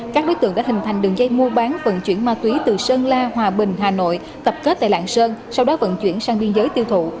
các đối tượng đã hình thành đường dây mua bán vận chuyển ma túy từ sơn la hòa bình hà nội tập kết tại lạng sơn sau đó vận chuyển sang biên giới tiêu thụ